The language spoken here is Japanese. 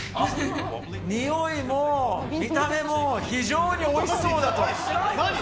においも見た目も非常においしそうだと。